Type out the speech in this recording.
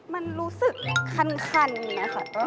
มันรู้สึกคันอื่นไหมครับ